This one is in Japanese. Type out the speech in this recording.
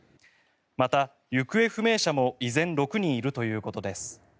また行方不明者も依然、６人いるということです。